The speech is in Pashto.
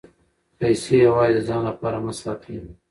پیسې یوازې د ځان لپاره مه ساتئ.